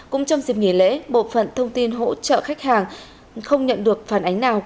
cũng trong dịp nghỉ lễ bộ phận thông tin hỗ trợ khách hàng không nhận được phản ánh nào